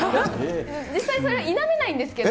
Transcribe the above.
実際、それは否めないんですけど。